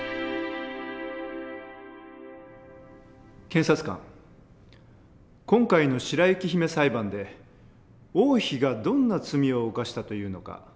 検察官今回の「白雪姫」裁判で王妃がどんな罪を犯したというのか述べて下さい。